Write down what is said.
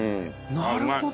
なるほど。